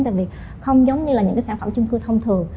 tại vì không giống như những sản phẩm chung cư thông thường